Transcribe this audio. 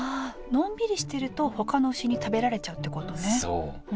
のんびりしてるとほかの牛に食べられちゃうってことねそう！